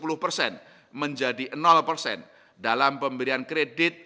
sepuluh persen menjadi persen dalam pemberian kredit